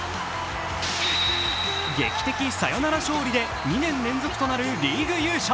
劇的サヨナラ勝利で２年連続となるリーグ優勝。